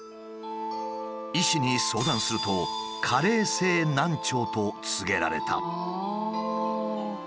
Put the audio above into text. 医師に相談すると「加齢性難聴」と告げられた。